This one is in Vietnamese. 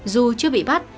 dù chưa bị bắt